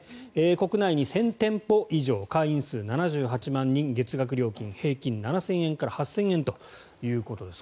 国内に１０００店舗以上会員数７８万人月額料金、平均７０００円から８０００円ということです。